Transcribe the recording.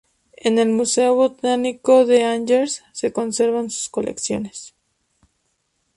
En el Museo botánico de Angers se conservan sus colecciones.